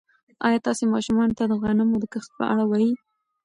ایا تاسي ماشومانو ته د غنمو د کښت په اړه وایئ؟